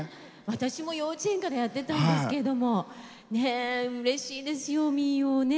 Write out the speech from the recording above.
私も幼稚園までやってたんですけどもうれしいですよね